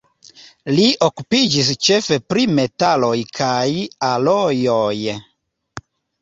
Li okupiĝis ĉefe pri metaloj kaj alojoj.